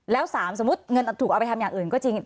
แล้ว๓สมมุติเงินถูกเอาไปทำอย่างอื่นก็จริง